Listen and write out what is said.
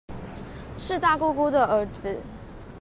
是大姑姑的兒子